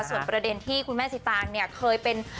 ส่วนประเด็นที่คุณแม่สิตางเนี่ยเคยเป็น